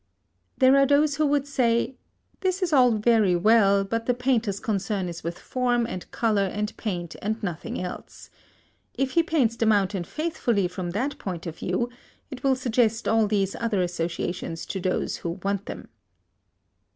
There are those who would say, "This is all very well, but the painter's concern is with form and colour and paint, and nothing else. If he paints the mountain faithfully from that point of view, it will suggest all these other associations to those who want them."